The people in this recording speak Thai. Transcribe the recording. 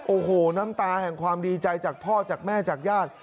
โอ้โหน้ำตาแห่งความดีใจจากพ่อจากแม่จากญาติ